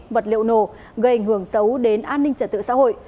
vật liệu nổ gây ảnh hưởng xấu đến an ninh trật tự xã hội